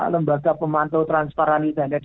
lembaga pemantau transparan dan desa